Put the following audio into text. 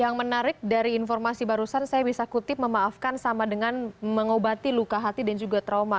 yang menarik dari informasi barusan saya bisa kutip memaafkan sama dengan mengobati luka hati dan juga trauma